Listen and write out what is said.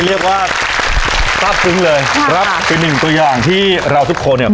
เรียกว่าทราบซึ้งเลยครับเป็นหนึ่งตัวอย่างที่เราทุกคนเนี่ย